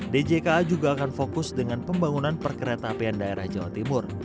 djka juga akan fokus dengan pembangunan perkereta apian daerah jawa timur